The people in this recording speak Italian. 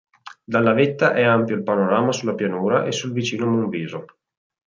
Dalla vetta è ampio il panorama sulla pianura e sul vicino Monviso.